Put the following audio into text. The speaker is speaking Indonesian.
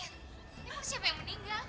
emang siapa yang meninggal